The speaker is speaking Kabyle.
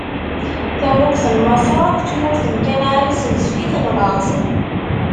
Tamurt n Maṣer akked tmurt n Kanɛan issenzef-itent laẓ.